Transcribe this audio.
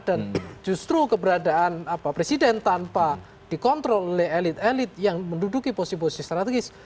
dan justru keberadaan presiden tanpa dikontrol oleh elit elit yang menduduki posisi posisi strategis